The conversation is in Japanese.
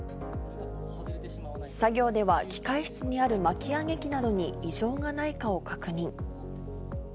作業では機械室にある巻上機などに異常がないかを確認。